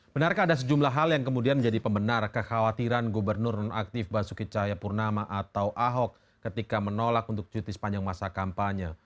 benarkah ada sejumlah hal yang kemudian menjadi pembenar kekhawatiran gubernur nonaktif bansuki cahaya purnama atau ahok ketika menolak untuk cutis panjang masa kampanye